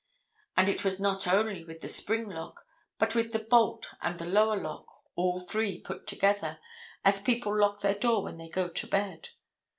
And it was not only with the spring lock, but with the bolt and with the lower lock (all three put together) as people lock their door when they go to bed.